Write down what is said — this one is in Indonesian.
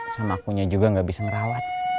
sama akunya juga gak bisa ngerawat